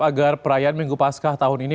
agar perayaan minggu paskah tahun ini